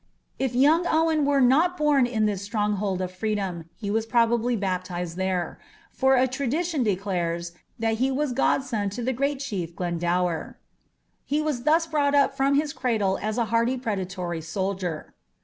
If young Owen were nol born in this slronghuUt of frL e (lom. he waa probsbly baptixeJ there : for a tnuliiion declarex, that ha wa» godson to the great ctiief, Glendower. He was thus brought up froin his cradle a« b hardy, predatory soldier.